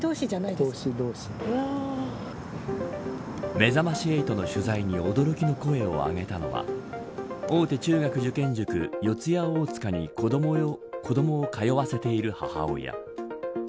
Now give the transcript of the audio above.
めざまし８の取材に驚きの声を上げたのは大手中学受験塾、四谷大塚に子どもを通わせている母親。